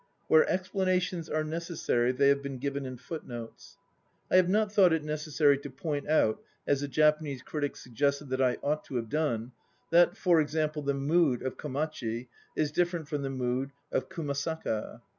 Where explanations are necessary they have been given in footnotes. I have not thought it necessary to point out (as a Japanese critic suggested that I ought to have done) that, for example, the "mood" of Komachi is different from the "mood" of Kumasaka.